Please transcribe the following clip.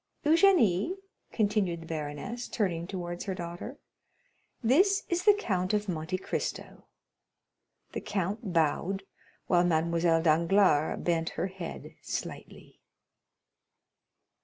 Eugénie," continued the baroness, turning towards her daughter, "this is the Count of Monte Cristo." The count bowed, while Mademoiselle Danglars bent her head slightly.